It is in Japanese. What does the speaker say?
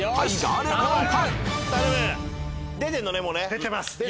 出てます。